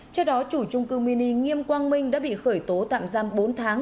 trước đó chủ trung cư mini nghiêm quang minh đã bị khởi tố tạm giam bốn tháng